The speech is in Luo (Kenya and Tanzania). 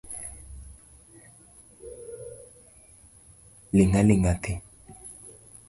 Ling'aling'a thi.